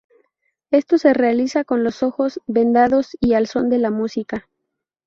Esto se realiza con los ojos vendados y al son de la música.